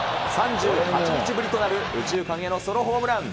３８日ぶりとなる右中間へのソロホームラン。